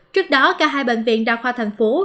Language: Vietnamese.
trước đó cả hai bệnh viện đa khoa thành phố